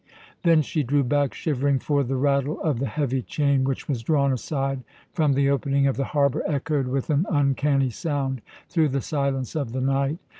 Then she drew back shivering, for the rattle of the heavy chain, which was drawn aside from the opening of the harbour, echoed with an uncanny sound through the silence of the night.